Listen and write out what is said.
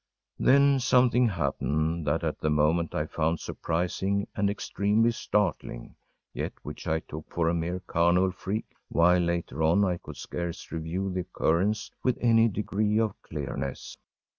‚ÄĚ Then something happened that at the moment I found surprising and extremely startling, yet which I took for a mere carnival freak, while later on I could scarce review the occurrence with any degree of clearness.